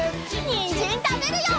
にんじんたべるよ！